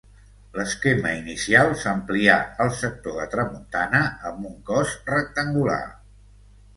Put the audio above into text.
L'esquema inicial s'amplià al sector de tramuntana amb un cos rectangular.